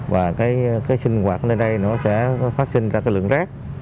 và cái sinh hoạt lên đây nó sẽ phát sinh ra cái lượng rác